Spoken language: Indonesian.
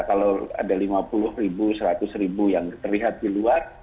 kalau ada lima puluh ribu seratus ribu yang terlihat di luar